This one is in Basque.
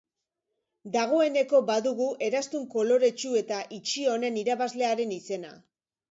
Dagoeneko badugu eraztun koloretsu eta itxi honen irabazlearen izena.